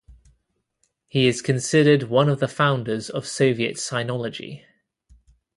He is considered one of the founders of Soviet Sinology.